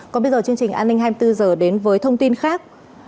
còn bây giờ chương trình an ninh hai mươi bốn h đến với thông tin khác